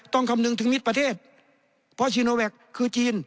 คำนึงถึงมิตรประเทศเพราะซีโนแวคคือจีน